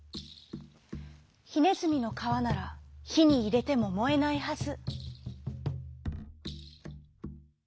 「ひねずみのかわならひにいれてももえないはず」。